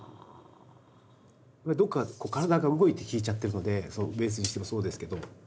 どこかこう体が動いて聴いちゃってるのでベースにしてもそうですけど。